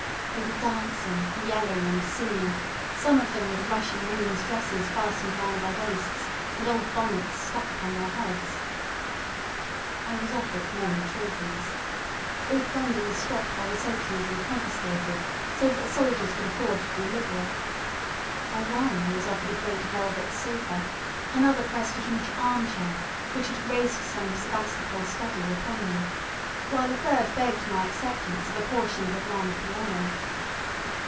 They were dancing, yelling, and singing some of them with Russian women's dresses fastened round their waists, and old bonnets stuck upon their heads. I was offered many trophies. All plunder was stopped by the sentries, and confiscated, so that the soldiers could afford to be liberal. By one I was offered a great velvet sofa; another pressed a huge arm chair, which had graced some Sebastopol study, upon me; while a third begged my acceptance of a portion of a grand piano.